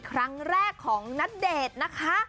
ครั้งแรกของณเดชน์นะคะ